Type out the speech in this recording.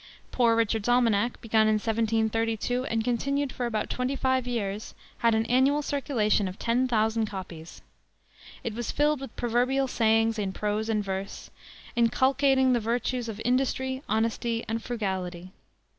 Poor Richard's Almanac, begun in 1732 and continued for about twenty five years, had an annual circulation of ten thousand copies. It was filled with proverbial sayings in prose and verse, inculcating the virtues of industry, honesty, and frugality.